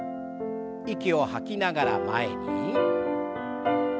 息を吐きながら前に。